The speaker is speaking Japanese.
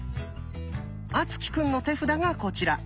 敦貴くんの手札がこちら。